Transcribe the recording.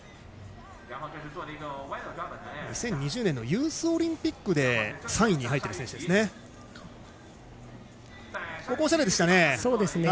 ２０２０年のユースオリンピックで３位に入っている選手です。